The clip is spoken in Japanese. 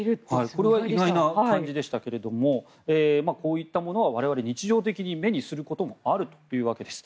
これは意外な感じでしたがこういったものは我々日常的に目にすることもあるというわけです。